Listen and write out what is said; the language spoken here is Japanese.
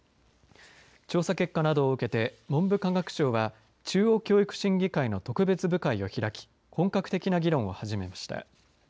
調査結果などを受けて文部科学省は中央教育審議会の特別部会を開き本格的な議論を始めました。